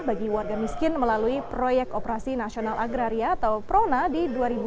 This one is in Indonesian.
bagi warga miskin melalui proyek operasi nasional agraria atau prona di dua ribu dua puluh